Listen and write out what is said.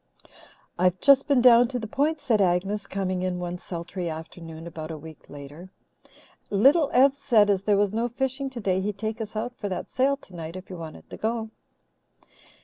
"I've just been down to the Point," said Agnes, coming in one sultry afternoon about a week later, "and Little Ev said as there was no fishing today he'd take us out for that sail tonight if you wanted to go."